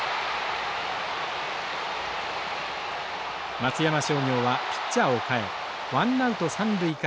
松山商業はピッチャーを代えワンナウト三塁から満塁策。